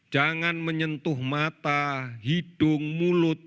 jangan menyentuh mata hidung mulut